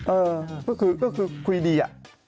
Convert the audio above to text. เออก็คือก็คือคุยดี